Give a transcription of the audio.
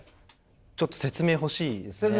ちょっと説明欲しいですね。